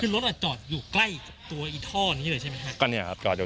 คือลดเราจอดอยู่ใกล้ตัวอีท่อเนี่ยด้วยใช่มั้ยครับ